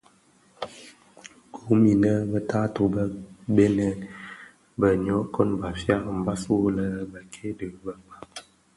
Gom inèn bë taatoh bë bënèn, bë nyokon (Bafia) mbas wu lè bekke dhi bëkpag,